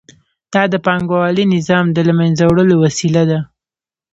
دا د پانګوالي نظام د له منځه وړلو وسیله ده